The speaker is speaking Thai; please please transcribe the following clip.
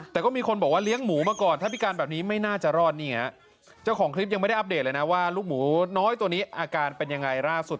แต่ก็มีคนบอกว่าเลี้ยงหมูมาก่อนถ้าพิการแบบนี้ไม่น่าจะรอดนี่ฮะเจ้าของคลิปยังไม่ได้อัปเดตเลยนะว่าลูกหมูน้อยตัวนี้อาการเป็นยังไงล่าสุด